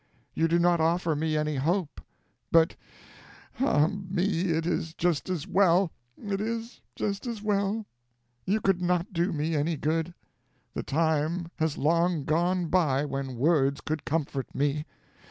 You do not offer me any hope. But, ah me, it is just as well it is just as well. You could not do me any good. The time has long gone by when words could comfort me.